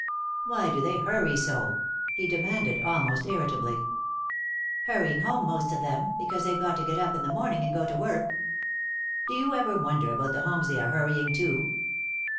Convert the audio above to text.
"Why do they hurry so?" he demanded, almost irritably. "Hurrying home, most of them, because they've got to get up in the morning and go to work." "Do you ever wonder about the homes they are hurrying to?"